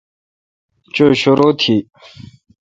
چو شرو تھی۔